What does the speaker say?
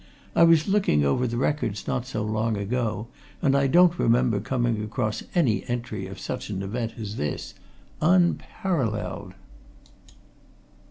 I was looking over the records not so long since, and I don't remember coming across any entry of such an event as this. Unparalleled!"